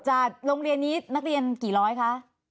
โรงเรียนนี้นักเรียนกี่ร้อยคะ